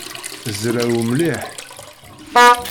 Zrew mliḥ.